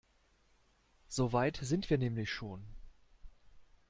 So weit sind wir nämlich schon.